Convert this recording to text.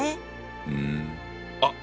うん。あっ！